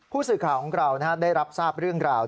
ผู้สื่อข่าวของเราได้รับทราบเรื่องราว